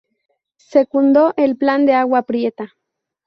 Secundó el Plan de Agua Prieta.